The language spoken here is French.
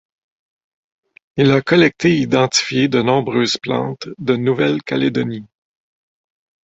Il a collecté et identifié de nombreuses plantes de Nouvelle-Calédonie.